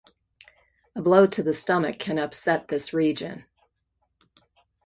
A blow to the stomach can upset this region.